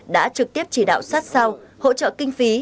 đã trực tiếp chỉ đạo sát sao hỗ trợ kinh phí